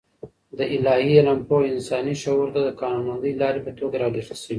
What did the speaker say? د الاهي علم پوهه انساني شعور ته د قانونمندې لارې په توګه رالېږل شوې.